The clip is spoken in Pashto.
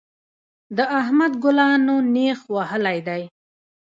د احمد ګلانو نېښ وهلی دی.